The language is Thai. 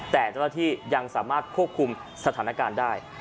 แต่เจ้าหน้าที่ยังสามารถควบคุมสถานการณ์ได้